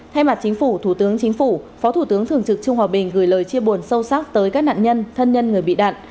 thay mặt chính phủ thủ tướng chính phủ phó thủ tướng thường trực trung hòa bình gửi lời chia buồn sâu sắc tới các nạn nhân thân nhân người bị nạn